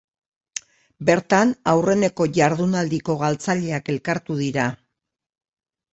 Bertan aurreneko jardunaldiko galtzaileak elkartu dira.